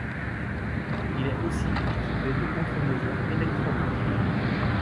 Il est aussi équipé de contre-mesure électronique.